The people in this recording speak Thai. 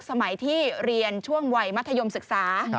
สมัยที่เรียนช่วงวัยมัธยมศึกษา